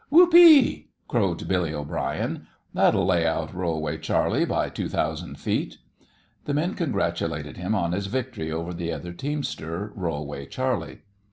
"Whoopee!" crowed Billy O'Brien, "that'll lay out Rollway Charley by two thousand feet!" The men congratulated him on his victory over the other teamster, Rollway Charley.